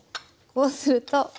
こうすると。